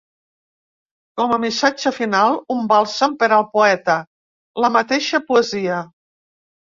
Com a missatge final, un bàlsam per al poeta: la mateixa poesia.